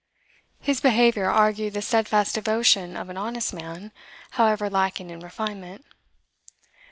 His behaviour argued the steadfast devotion of an honest man, however lacking in refinement.